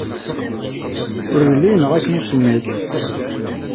Ur yelli yenɣa-ken usemmiḍ.